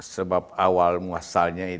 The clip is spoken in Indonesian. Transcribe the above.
sebab awal muasalnya